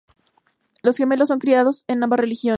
Los gemelos son criados en ambas religiones.